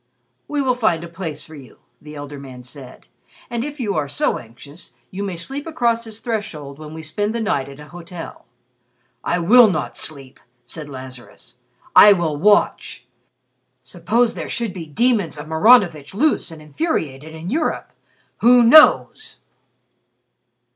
'" "We will find a place for you," the elder man said, "and if you are so anxious, you may sleep across his threshold when we spend the night at a hotel." "I will not sleep!" said Lazarus. "I will watch. Suppose there should be demons of Maranovitch loose and infuriated in Europe? Who knows!"